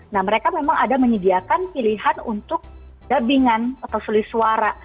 nah mereka memang ada menyediakan pilihan untuk dubingan atau seli suara